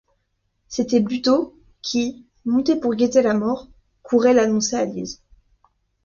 C’était Buteau, qui, monté pour guetter la mort, courait l’annoncer à Lise.